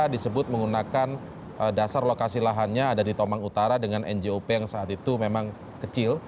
disebut menggunakan dasar lokasi lahannya ada di tomang utara dengan njop yang saat itu memang kecil